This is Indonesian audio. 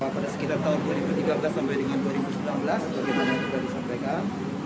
pada sekitar tahun dua ribu tiga belas sampai dengan dua ribu sembilan belas bagaimana sudah disampaikan